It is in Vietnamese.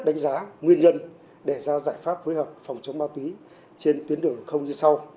đánh giá nguyên nhân để ra giải pháp phối hợp phòng chống ma túy trên tuyến đường không như sau